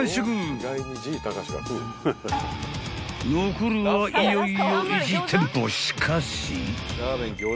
［残るはいよいよ１店舗しかし］